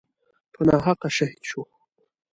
په ناحقه شهید شو.